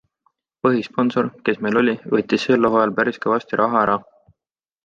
Põhisponsor, kes meil oli, võttis sel hooajal päris kõvasti raha ära.